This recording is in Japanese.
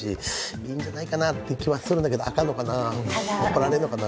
いいんじゃないかなという気はするんだけど、あかんのかな、怒られるのかな。